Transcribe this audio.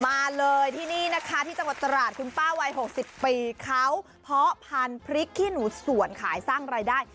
มาเลยที่นี่นะคะที่จังหวัดตราดคุณป้าวัย๖๐ปีเขาเพาะพันธุ์พริกขี้หนูสวนขายสร้างรายได้